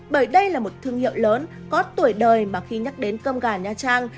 bởi đây là một thương hiệu lớn có tuổi đời mà khi nhắc đến cơm gà nha trang